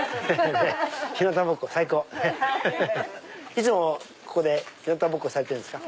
いつもここで日なたぼっこされてるんですか？